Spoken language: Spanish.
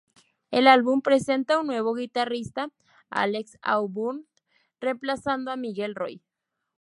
El álbum presenta un nuevo guitarrista, Alex Auburn, reemplazando a Miguel Roy.